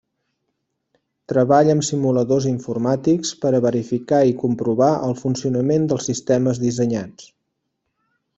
Treball amb simuladors informàtics per a verificar i comprovar el funcionament dels sistemes dissenyats.